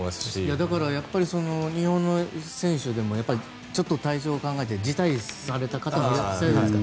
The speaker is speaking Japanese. だから、日本の選手でもちょっと体調を考えて辞退された方もいらっしゃるじゃないですか。